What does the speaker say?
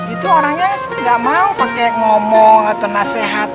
itu orangnya gak mau pakai ngomong atau nasihat